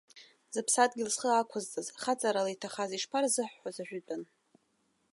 Зыԥсадгьыл зхы ақәызҵаз, хаҵарала иҭахаз ишԥарзырҳәоз ажәытәан?